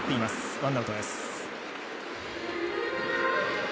ワンアウトです。